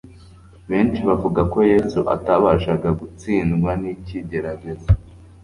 Benshi bavuga ko Yesu atabashaga gutsindwa n'ikigeragezo